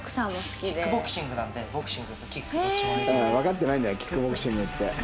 キックボクシングなのでボクシングとキックどっちも。わかってないんだよキックボクシングって。